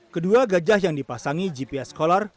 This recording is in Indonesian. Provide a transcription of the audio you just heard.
kedua gajah yang dipasangi gps kolar